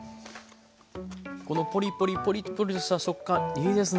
このポリポリポリポリとした食感いいですね！